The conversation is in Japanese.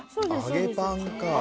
揚げパンか。